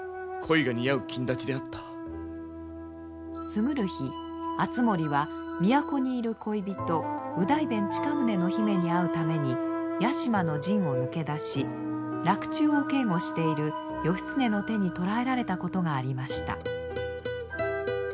過ぐる日敦盛は都にいる恋人右大弁親宗の姫に会うために屋島の陣を抜け出し洛中を警護している義経の手に捕らえられたことがありました。